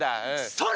それ！